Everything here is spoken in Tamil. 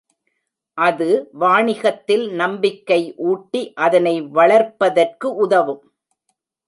அது வாணிகத்தில் நம்பிக்கை ஊட்டி அதனை வளர்ப்பதற்கு உதவும்.